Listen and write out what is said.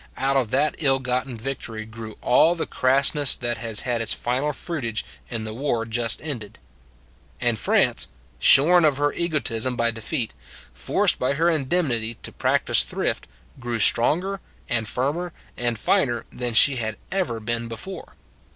Out of that ill gotten victory grew all the crassness that has had its final fruitage in the war just ended. And France, shorn of her egotism by defeat, forced by her indemnity to practise thrift, grew stronger and firmer and finer than she had ever been before.